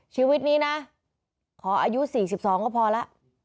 ชีวิตนี้นะขออายุ๔๒ก็พอแล้ว